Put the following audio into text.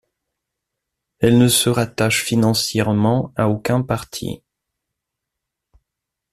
Elle ne se rattache financièrement à aucun parti.